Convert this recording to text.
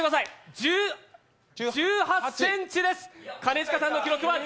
１８ｃｍです。